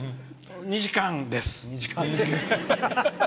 ２時間です。